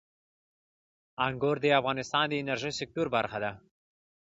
انګور د افغانستان د انرژۍ سکتور برخه ده.